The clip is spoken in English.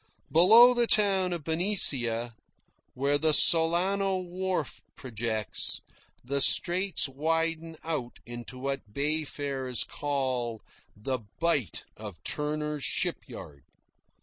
Below the town of Benicia, where the Solano wharf projects, the Straits widen out into what bay farers call the "Bight of Turner's Shipyard."